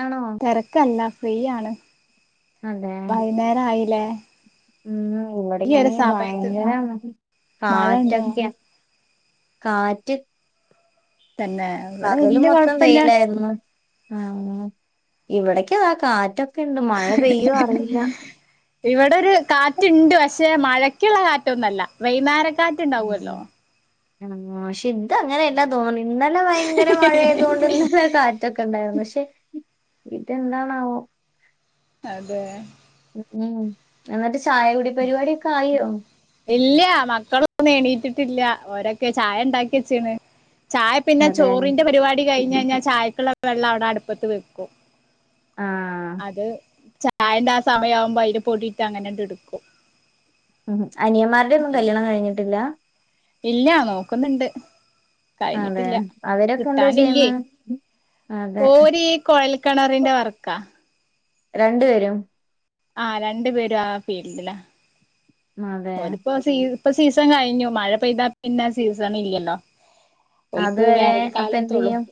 ആണോ തെരക്കല്ല ഫ്രീയാണ് അതെ വൈന്നേരായില്ലേ ഉം ഇവടെക്കേണങ്കി ഭയങ്കര [unintelligible] മഴ ഉണ്ടോ കാറ്റൊക്ക്യാ കാറ്റ് തന്നെ ഇവിടെ പകല് വല്യ മൊത്തം കൊഴപ്പില്ല വെയിലാര്ന്നു ആഹ് [unintelligible] ഇവടെക്ക്യിതാ കാറ്റൊക്കെണ്ട് മഴ പെയ്യോ അറീല്ലാ ഇവെടൊരു കാറ്റ്ണ്ട് പക്ഷേ മഴക്ക്ള്ളെ കാറ്റൊന്നല്ല വൈന്നാരൻ [unintelligible] എണങ്ങോ [unintelligible] ഇത് അങ്ങനെയല്ലാ തോന്ന്ണ് ഇന്നലെ ഭയങ്കര മഴയാത് കൊണ്ട് ഇന്ന്താ കാ റ്റൊക്കെ ഇണ്ടാരുന്നു പക്ഷേ ഉം ഇത് എന്താണാവോ അതെ ഉം എന്നിട്ട് ചായക്കുടി പരിവാടിയൊക്കെ ആയോ ഇല്ല മക്കളൊന്നും എണീറ്റിട്ടില്ല ഓരൊക്കെ ചായ ഇണ്ടാക്കിയെച്ച്ണ് ചായ പിന്നെ അതെ ചോറിന്റെ പരിവാടി കഴിഞ്ഞഴിഞ്ഞാ ചായക്ക്ള്ളെ വെള്ളം അവ്ടെ അട്പ്പത്ത് വെക്കും ആഹ് അത് ചായന്റെ ആ സമയാവുമ്പൊ അയില് പൊടിട്ട് അങ്ങനേണ്ട് ഇട്ക്കും ഉം അനിയമാരുടെന്നും കല്യാണം കഴിഞ്ഞിട്ടില്ല ഇല്ല നോക്കുന്ന്ണ്ട് അതെ കഴിഞ്ഞിട്ടില്ല അവരൊക്കെ എന്താ കിട്ടാനില്ലേ ചെയ്യുന്നെ അതെ ഓര് ഈ കൊഴൽ കെണറിന്റെ വർക്കാ രണ്ട് പേരും ആഹ് രണ്ട് പേരും ആ ഫീൽഡിലാ അതെ ഒരുപ്പം സീ ഇപ്പം സീസൺ കഴിഞ്ഞു. മഴ പെയ്താ പിന്നെ സീസൺ ഇല്ലല്ലോ. ഓൽക്ക് അതുവരെ വേനൽ അപ്പ എന്ത് കാലത്തൊള്ളൂ. ചെയ്യും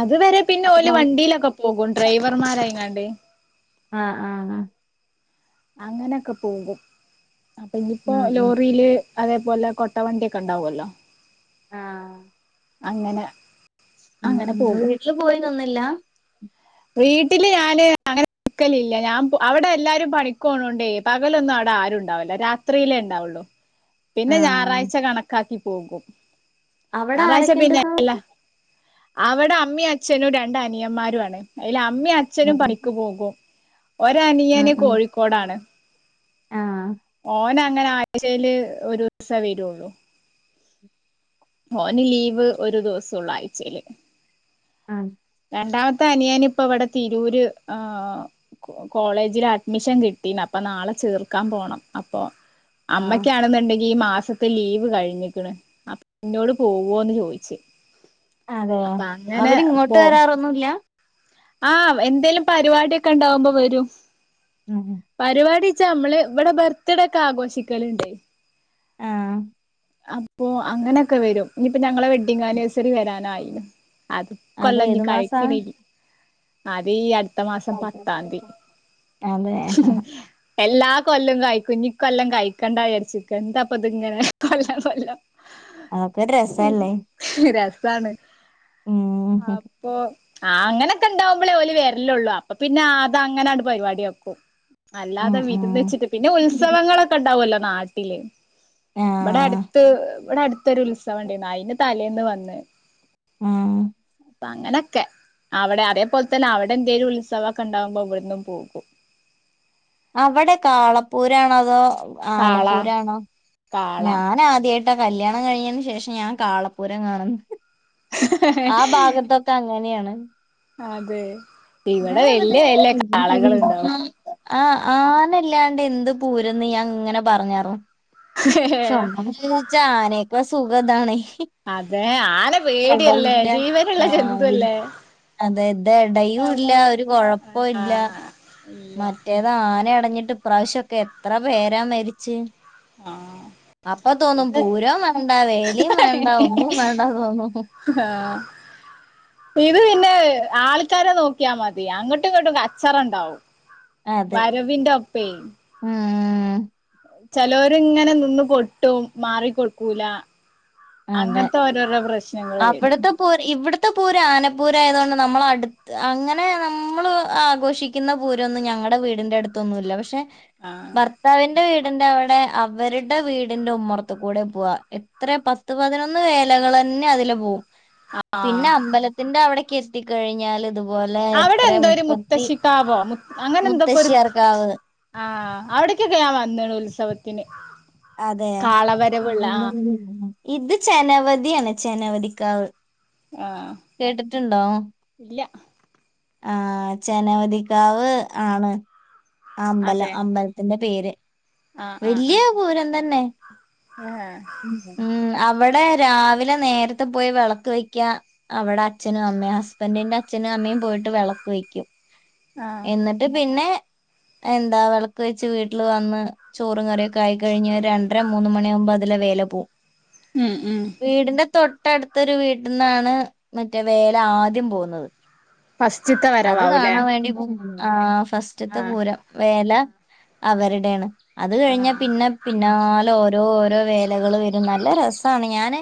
അത് വരെ പിന്നെ അപ്പൊ ഓല് മ- വണ്ടീലൊക്കെ പോകും ഡ്രൈവർമാരായിങ്ങാണ്ട്. ആഹ് ആഹ് ആഹ് അങ്ങനൊക്കെ പോകും അപ്പൊ ഇഞ്ഞ്പ്പോ ഉം ഉം ലോറീല്- അതേപോലെ കൊട്ടവണ്ടി ഒക്കെ ഇണ്ടാവല്ലോ. ആഹ് അങ്ങനെ ഉം അങ്ങനെ ഉം പോകും വീട്ട്ല് പോയി നിന്നില്ലാ? വീട്ടില് ഞാന് അങ്ങനെ ക്കലില്ല ഞാൻ അവിടെ എല്ലാരും പണിക്കോണോണ്ടേ പകലൊന്നും അവിടെ ആരും ഉണ്ടാവില്ല രാത്രിയിലേ ണ്ടാവൊള്ളൂ. ആ പിന്നെ ഞാറായ്ച കണക്കാക്കി പോകും. അവിടെ ഞാറായ്ച പിന്നെ ആരൊക്കെണ്ട്ന്ന് പറഞ്ഞു എല്ലാ അവടെ അമ്മിം അച്ഛനും രണ്ട് അനിയന്മാരും ആണ് അയ്ല് അമ്മിം അ ച്ഛനും പണിക്ക് പോകും. ഒരനിയന് കോഴിക്കോടാണ്. ആഹ് ഓനങ്ങനെ ആഴ്ചേൽ ഒരൂസേ വരൊള്ളൂ. ഓന് ലീവ് ഒരു ദിവസൊള്ളു ആയ്ചേല്. ആഹ് രണ്ടാമത്തെ അനിയന് ഇപ്പ ഇവടെ തിരൂര് ആഹ് കോളേജില് അഡ്മിഷൻ കിട്ടീണ്. അപ്പം നാളെ ചേർക്കാൻ പോണം അപ്പൊ- ആ അമ്മയ്ക്കാണെന്ന്ണ്ടെങ്കിൽ ഈ മാസത്തെ ലീവ് കഴിഞ്ഞിക്ണ്. അപ്പം ഇന്നോട് പോവോന്ന് ചോയ്ച്ച്. അതെയോ. അവരിങ്ങോട്ട് പോ വരാറൊന്നുല്ല്യാ.? ആഹ് വെ എന്തേലും പരിപാടിയൊക്കെ ണ്ടാവുമ്പോ വരും. ഉം പരിപാടിച്ചാ നമ്മള് ഇവടെ ബർത്ത്ഡെ ഒക്കെ ആഘോഷിക്കല്ണ്ട്. ആഹ് അപ്പൊ അങ്ങനക്കെ വരും. ഇഞ്പ്പ ഞങ്ങളെ വെഡിങ് ആനിവേഴ്സറി വരാനായീണ്. അത് ഇക്കൊല്ലഞ്ഞ് ഏതു മാസാ കഴിക്ക്ണേക്ക് അതീ അട്ത്ത മാസം അതെ പത്താംദി. എല്ലാ കൊല്ലും കയിക്കും. ഇഞ്ഞിക്കൊല്ലം കഴിക്കണ്ടാ വിചാര്ച്ചിക്ക എന്താപ്പത്ങ്ങനെ കൊല്ലം കൊല്ലം അതൊക്കൊരു രസ അല്ലേ. രസാണ് ഉം അപ്പൊ ആഹ് ആങ്ങ ണ്ടാവുമ്പളേ ഓല് വര്ലൊള്ളൂ. അപ്പൊ പിന്നെ ആഹ് ദ അങ്ങന്യാണ്ട് പരിപാടിയാക്കും. ഉം അല്ലാതെ ഉം വിര്ന്ന് വെച്ചിട്ട് പിന്നെ ഉത്സവങ്ങളൊക്കെ ഉണ്ടാവല്ലോ നാട്ടില്. ആ ഇബടെ അട്ത്ത് ഇവടെ അടുത്തൊരു ഉത്സവം ഇണ്ടേന്നു. അയിന് തലേന്ന് വന്ന്. ആഹ് അപ്പ അങ്ങനെക്കെ. അവടെ അതേപോൽതന്നെ അവടെ എന്തേലും ഉത്സവൊക്കെ ഉണ്ടാവുമ്പോ ഇവട്ന്നും പോകും. അവടെ കാളപ്പൂരാണോ അതോ കാള ആനപ്പൂരാണോ കാള ഞാനാദ്യായി ട്ട കല്യാണം കഴിഞ്ഞേന് ശേഷം ഞാൻ കാളപ്പൂരം കാണുന്ന് ആ ഭാഗത്തൊക്കെ ത്തങ്ങന്യാണ്. അതെ. ഇവടെ വല്ല്യ വല്ല്യ കാളകള്ണ്ടാവും. ആഹ് ആനല്ലാണ്ട് എന്ത് പൂരംന്ന് ഞാൻ ഇങ്ങനെ പറഞ്ഞായ്ര്ന്നു. ശ്ശൊ ഇത് ഇജ്ജ് ആനേക്കാ സുഖം ഇതാണെ. അതെ ആന പേടിയല്ലേ ജീവനുള്ള ആ ജന്തു അല്ലേ. അതെ ഇത് ഇടയൂല്ല ഒരു കൊഴപ്പവു ഇല്ല. ആഹ് ഇല്ല മറ്റേത് ആന എടഞ്ഞിട്ട് ഇപ്രാവശ്യൊക്കെ എത്ര പേരാ മരിച്ചേ. ആഹ് അപ്പൊ തോന്നും ഇത് പൂരവും വേണ്ട വേലിം വേണ്ട ഒന്നും വേണ്ടാന്ന് തോന്നും. ആഹ്. ഇത് പിന്നെ ആൾക്കാരെ നോക്കിയാ മതി അങ്ങട്ടും ഇങ്ങട്ടും കച്ചറ ണ്ടാവും. വരവിന്റെ ഒപ്പേ. ആഹ്. ചെലോര്ങ്ങനെ നിന്ന് കൊട്ടും മാറിക്കൊടുക്കൂല. അങ്ങൻത്തെ ഓരോരോ പ്രശ്നങ്ങള് വരും. പൂര് ഇവട്ത്തെ പൂര ആനപ്പൂരായതോണ്ട് നമ്മളടുത്ത് അങ്ങനെ നമ്മൾ ആഘോഷി ക്ക്ന്ന പൂരോന്നും ഞങ്ങടെ വീടിന്റെ അടുത്തൊന്നുല്ല പഷേ ആഹ് ഭർത്താവി ന്റെ വീടിന്റെ അവടെ അവര്ടെ വീടിന്റെ ഉമ്മറത്ത് കൂടെ പോവാ. എത്ര പ ത്ത് പതിനൊന്ന് വേലകളന്നെ അതിലെ പോവും. പിന്നെ ആഹ് അമ്പല ത്തിന്റെ അവിടക്ക് എത്തിക്കഴിഞ്ഞാൽ ഇത് അവടെ എന്തോ ഒരു മുത്തശ്ശിക്കാവോ മു അങ്ങനെ എന്തൊക്കൊ ഒര് മുത്തശ്ശിയാർക്കാവ് ആഹ് അവിടക്കൊക്കെ ഞാൻ വന്നണ് ഉത്സവത്തിന്. അതെ കാളവരവ്ള്ളെ ആഹ് ഇത് ചെനവതി ആണ് ചെനവതിക്കാവ്. ആഹ് കേട്ടിട്ടുണ്ടോ? ഇല്ല ആഹ് ചെനവതിക്കാവ് ആണ്. ആഹ് അമ്പലം അതെ അമ്പലത്തിന്റെ പേര്. ആഹ് ആഹ് വല്യ ആഹ്. പൂരം തന്നെ. ഏഹ് ഹേ. ഉം അവടെ രാവിലെ നേരത്തെ പോയി വെളക്ക് വെക്ക്യാ. അവടെ അച്ഛനും അമ്മേം ഹസ്ബൻ്റിന്റെ അച്ഛനും അമ്മേം പോയിട്ട് വെളക്ക് വെയ്ക്കും. ആഹ് എന്നിട്ട് പിന്നെ എന്താ വെളക്ക് വെച്ച് വീട്ടിൽ വന്ന് ചോറും കറിയൊക്കെ ആയി കഴിഞ്ഞ് ഒര് രണ്ടര മൂന്ന് മണിയാവുമ്പ അതിലേ വേല പോവും. ഉം ഉം. വീടിന്റെ തൊട്ടടുത്തൊരു വീട്ട്ന്നാണ് മറ്റേ വേല ആദ്യം പോവുന്നത്. ഫസ്റ്റ്ത്തെ അത് വരവാവൂല്ലേ കാണാൻ വേണ്ടി പോം. ആഹ് ഫസ്റ്റ്ത്തെ ആഹ് പൂരം വേല അവര്ടേണ്. അത് കഴിഞ്ഞാ ആഹ് പിന്നെ പിന്നാലെ ഓരോ ഓരോ വേലകള് വരും. നല്ല രസാണ് ഞാന്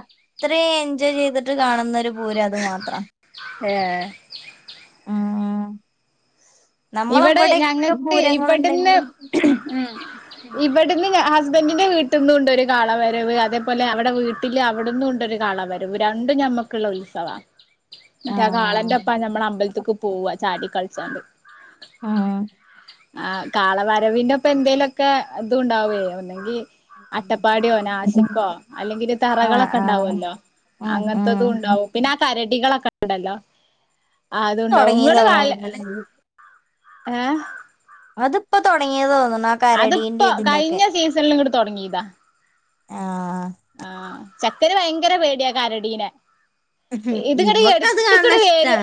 അത്രേം എൻജോയ് ചെയ്തിട്ട് കാണുന്ന ഒരു പൂരം അത് മാത്രാ. ഏഹ്. ഉം ഇവടെ നമ്മളവിടെ ഒക്കെ ഞങ്ങക്ക് ഇവട്ന്ന് പൂരങ്ങളുണ്ടെങ്കിലും ഉം ഇ ഇവട്ന്ന് ഹസ്ബൻഡിന്റെ വീട്ട്ന്നും ഉണ്ട് ഒരു കാള വരവ്. അതേപോലെ അവടെ വീട്ടിൽ അവ്ട്ന്നും ഇണ്ടൊരു കാള വര വ്. രണ്ടും ഞമ്മക്ക്ള്ള ഉത്സവാ. ഇന്നട്ട് ആ ആഹ് കാളൻ്റൊപ്പാ ഞമ്മള് അമ്പല്ത്ത്ക്ക് പോവാ ചാടി കളിച്ചാണ്ട്. ആഹ്. ആഹ് കാളവരവിന്റെ ഒപ്പ എന്തേലൊക്കെ ഇതു ഉണ്ടാവേ ഒന്നെങ്കി അട്ടപ്പാടിയോ നാശിക്കോ അല്ലെങ്കില് ആഹ് ആഹ് തറകളൊക്കെണ്ടാവല്ലോ. ഉം അങ്ങനത്തെതും ഉം ഉണ്ടാവും. പിന്നെ ആ കരടികളൊക്കെണ്ടല്ലോ. ആഹ് അതുണ്ടാവും ഇങ്ങള് തൊടങ്ങിയതാ [unintelligible] തോന്നുന്നല്ലേ ഏഹ് അത്പ്പം തൊടങ്ങിയത് തോന്ന്ണ അത്പ്പോ കഴിഞ്ഞ സീസണിലിങ്ങട് തൊട്ങ്ങിയതാ ആഹ് ആഹ് ചെക്കന് ഭയങ്കര പേടിയാ കരടീനെ ഇത്ങ്ങട് ഇവക്കത് കാണണ എട്ത്ത്ക്കടെ ഇഷ്ടാ വേര്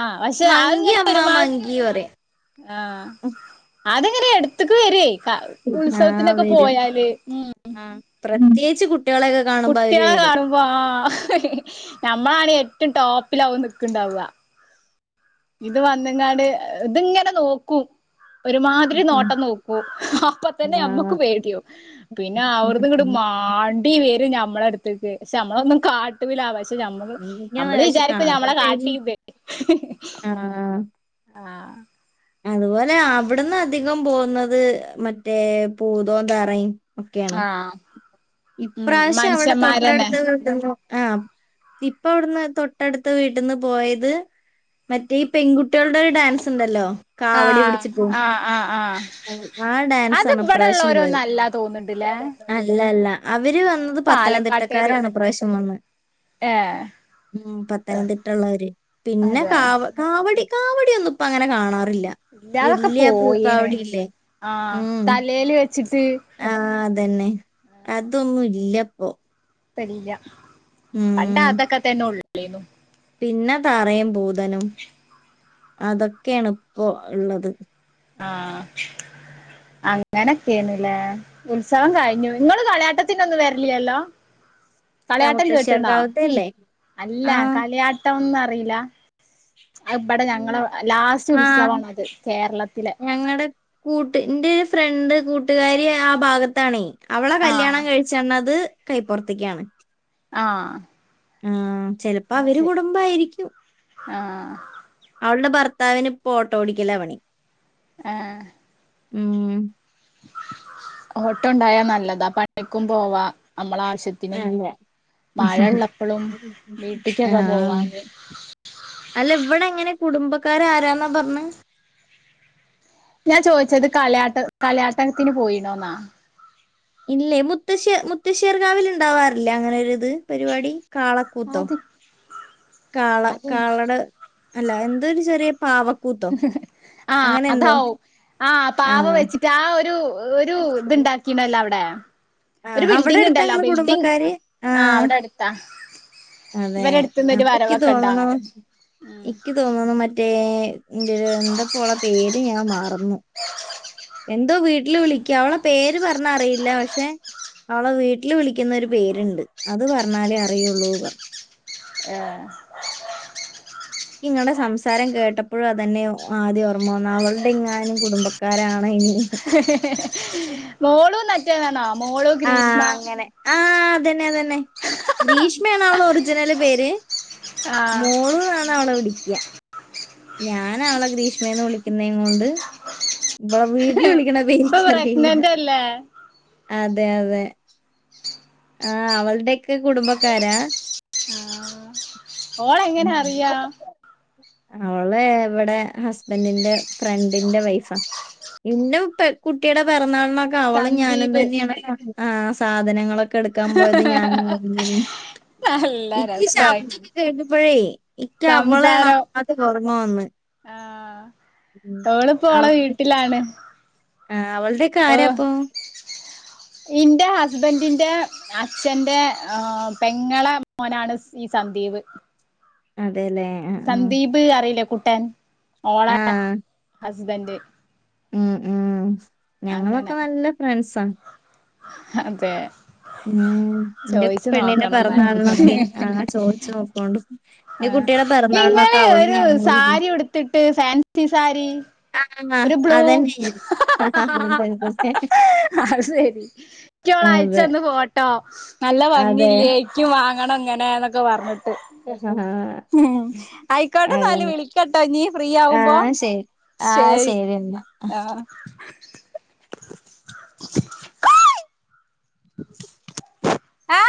ആഹ് പഷേ മങ്കി അത്ങ്ങനെ അമ്മ ഒരുമാ മങ്കി പറയും ആഹ് അതെങ്ങനെ എട്ത്ത്ക്ക് വരുവേ ആഹ് ആഹ് ഉത്സവത്തിനൊക്കെ വരും പോയാല് ഉം പ്രത്യേകിച്ച് കുട്ടികളെക്കേ കുട്ട്യാളെ കാണുമ്പോ ആഹ് ഞമ്മളാണ് ഏറ്റോം ടോപ്പിലാവും നിക്ക്ണ്ടാവാ ഇത് വന്ന്ങ്ങാണ്ട് ഏഹ് ഇത്ങ്ങനെ നോക്കും ഒരുമാതിരി നോട്ടം നോക്കും അപ്പതന്നെ ഞമ്മക്ക് പേടിയാവും പിന്നെ അവട്ന്നിങ്ങ്ട്ട് മാണ്ടി വേരും ഞമ്മളട്ത്ത്ക്ക് പക്ഷേ ഞമ്മളൊന്നും കാ ട്ടൂല പക്ഷെ ഞമ്മള് എനിക്കങ്ങനെ നമ്മള് പക്ഷെ വിചാരിക്കും ഞമ്മളെ കാട്ടിന്ന് ആണല്ലേ ആഹ് അതുപോലെ അവിടന്ന് അധികം പോവുന്നത് മറ്റേ പൂതോം തറയും ഒക്കെയാണ് ആഹ് ഉം ഇപ്രാവശ്യം അവിടെ മനുഷ്യന്മാരന്നെ തൊട്ടടുത്ത്ടുന്നോ ആഹ് ഇപ്പ അവിടുന്ന് തൊട്ടടുത്ത വീട്ടിന്ന് പോയത് മറ്റേ ഈ പെൺകുട്ടികളുടെ ഡാൻസ് ഇണ്ടല്ലോ കാവടി ആഹ് പിടിച്ചിട്ടും ആഹ് ആഹ് ആഹ് ആ അത് ഡാൻസാണ് ഇവിടെ ഇപ്രാവശ്യം പോയത് ഉള്ളോരോന്നല്ല തോന്നുന്നുണ്ടില്ലേ അല്ല അല്ല അവര് വന്നത് പാലക്കാട്ടേര് പത്തനംതിട്ടക്കാരാണ് ഇ പ്രാവശ്യം വന്ന് ഏഹ് ഉം പത്തനംതിട്ടള്ളവര് പിന്നെ അതെ കാവ കാവടി കാവടിയൊന്നും ഇപ്പ അങ്ങനെ കാണാറില്ല ഇല്ലാതൊക്കെ വല്യ പോയിണ് പൂക്കാവടി ഇല്ലേ ആഹ് തലേല് വെച്ചിട്ട് ആഹ് അതെന്നെ അതൊന്നും ഇല്ലപ്പോ ഇപ്പല്ല പണ്ട് ഉം അതൊക്കെ തന്നെ ഒള്ളേന്നു പിന്നെ താറയും ഭൂതനം അതൊക്കെയാണ് ഇപ്പൊ ഇള്ളത് ആഹ് അങ്ങനൊക്കേണ്ല്ലേ ഉത്സവം കഴിഞ്ഞു ഇങ്ങള് കളയാട്ടത്തിനൊന്നും വരലില്ലല്ലോ ഇല്ല, കളിയാട്ടം കേട്ടണോ മുത്തശ്ശിയാർക്കാവത്തെ അല്ലേ അല്ല ആ കളിയാ ട്ടം ഒന്നും അറീല്ല അത് ഇബടെ ഞങ്ങളെ ഉം. ലാസ്റ്റ് ഉത്സവാണത് കേരള ഞങ്ങടെ കൂട്ട് ഇന്റൊര് ഫ്രണ്ട് കൂട്ടുകാരി ആ ഭാഗത്താണേ അവളെ കല്യാണം ആഹ് കഴി ചെണ്ണത് കൈപ്പൊറത്ത്ക്കാണ് ആഹ് ആഹ് ചെലപ്പോ അത് അവര് ശരി കുടുംബായിരിക്കും ആഹ് അവളുടെ ഭർത്താവിന് ഇപ്പോ ഓട്ടോ ഓടിക്കലാ പണി ആഹ് ഉം ഓട്ടോണ്ടായാ നല്ലതാ പണിക്കും പോവാ നമ്മളാവശ്യ ത്തിന് അല്ല മഴ ഇള്ളപ്പളും വീട്ടിക്കൊക്കെ ആഹ് പോവാന് അല്ല ഇവടെ എങ്ങനെ കുടുംബക്കാര് ആരാന്നാ പർഞ്ഞേ ഞാൻ ചോദിച്ചത് കലയാട്ട കലയാട്ടത്തിന് പോയിനോ ന്നാ ഇല്ലേ മുത്തശ്ശ മുത്തശ്ശേർ കാവിൽ ഇണ്ടാവാറില്ലേ അങ്ങനോരി ഇത് പരിപാടി കാളക്കൂത്തോ അത് കാള അത് കാളടെ അല്ല എന്തരു ചെറിയ പാവ ആഹ അതാവും ആഹ പാവ ആഹ് വെച്ചിട്ട് ആ ഒരു ഒരു ഇത്ണ്ടാക്ക ങ്കിണ്ടല്ലോ അവിടെ ഒരു ആഹ് അവിടെ വിൽഡിങ് അടുത്താ ഉണ്ടല്ലോ ഇങ്ങളെ ബിൽഡിങ് കുടുംബക്കാര് ആ ആഹ് അവിടെ അടുത്താ അതെ ഇവരെടുത്തന്ന് ഒരു അപ്പൊ വരവൊക്കെ ഉണ്ടഅങ്ങിട്ട് ഉം തോന്നുന്നു മറ്റേ ന്റോരു എന്തപ്പോളേ പേര് ഞാൻ മറന്നു [unintelligible] എന്തോ വീട്ടില് വിളിക്കാ അവളെ പേര് പറഞ്ഞ അറിയില്ല പക്ഷെ അവളെ വീട്ടിൽ വിളിക്കുന്ന ഒരു പേരുണ്ട് അത് പറഞ്ഞാലേ അറിയുള്ളൂ ഏഹ് എനിക്ക് നിങ്ങളുടെ സംസാരം കേട്ടപ്പോഴും അതന്നെ ആദ്യം ഓർമ്മ വന്ന അവളുടെ ഇങ്ങാനും കുടുംബക്കാരാണ് ഇനി മോളും നെറ്റണോ മോളു ആഹ ഗ്രീഷ്മ അങ്ങനെ ആഹ അതന്നെ അതന്നെ ഗ്രീഷ്മയാണ് അവള് ഒറിജിനല് പേര് ആഹ് മോളൂന്നണ് അവളെ വിളിക്ക്യ ഞാനവളെ ഗ്രീഷ്മേന്ന് വിളിക്കുന്നെകൊണ്ട് ഇവളെ വീട്ടി വീട്ടില് വിളിക്കണ ഇപ്പൊ പേര്നക്കറിയില്ല പ്രഗ്നന്റ് അല്ലേ അതെ അതെ ആ അവള്ടെക്കെ കുടുംബക്കാരാ ആ ഓള എങ്ങനെ അറിയാം ഓളെ ഇവിടെ ഹസ്ബൻഡന്റെ ഫ്രണ്ടിന്റെ വൈഫാ ഇന്റെ കുട്ടിയുടെ പിറന്നാളിനൊക്കെ അവളും ഞാനും സന്ദീപ് തന്നെയാണ് ആ സാധനങ്ങളൊക്കെ ക്ക എടുക്കാൻ പോയത് ഞൻ നല്ല എനക്ക് രസായി ശബ്ദൊക്കെ കേട്ടപ്പഴേ ഇക്ക അവളണാ സംസാരം അത് ഉറങ്ങന്ന് ആഹ് ഓളിപ്പോ അവ ഓളെ വീട്ടിലാണ് ആഹ് അവള്ടെ ഓ [inaudible] ഇന്റെ ഹസ്ബൻഡിന്റെ അച്ഛന്റെ ആ പെങ്ങളെ മോനാണ് ഈ സന്ദീപ് അതെല്ലേ ആ ആ സന്ദീപ് അറിയില്ലേ കുട്ടൻ ഓള ആ ഹസ്ബന്റ് ഉം ഉം അങ്ങനെ ഞങ്ങളൊക്കെ നല്ല ഫ്രണ്ട്സ അതെ ഉം ഇന്റെ ചോയിച്ചു പെണ്ണിന്റെ നോക്കണം എന്നാല് പെറന്നാളന്നൊക്കെ ആ ചോദിച്ചു നോക്കോണ്ടു ആ ഇന്റെ കുട്ടിയുടെ പിറന്നാളിനൊക്കെ ഇങ്ങള് അവളും ഒരു ഞാനും സാരി ഉടുത്തിട്ട് ഫാൻസി സാരി ആഹ് ഒരു ബ്ലു അതന്നെ അ ശെരി യ്ക്ക് അതെ അഴച്ചന്ന് പോട്ടെ ട്ടോ നല്ല അതെ ഭംഗില്ലേ ഇക്ക് വാങ്ങണം ഇങ്ങനെന്നൊക്കെ പറഞ് ആ ആയിക്കോട്ടെന്നാല് അത വിളിക്കട്ടോ ഇനി ഫ്രീ ആവുമ്പോ ആഹ ശരി ആഹ് ശരി എന്നാ ആഹ് [unintelligible] ആ